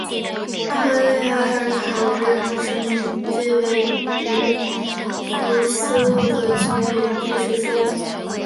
科利埃尔塔维人的殖民地位于福斯路的军队营地之间。